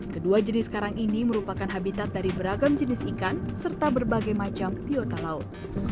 kedua jenis karang ini merupakan habitat dari beragam jenis ikan serta berbagai macam biota laut